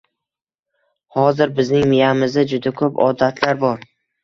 Hozir bizning miyamizda juda ko’p odatlar bor